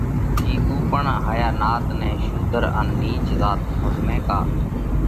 ڪِي اُو پڻ ھايا نات نئہ شُوڌر ان نِيچ زات ۿزمئھ ڪا